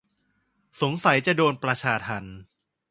สงสัยจะโดนประชาทัณฑ์